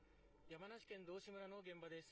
山梨県道志村の現場です。